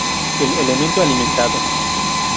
El elemento alimentado.